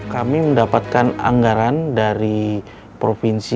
kami mendapatkan anggaran dari provinsi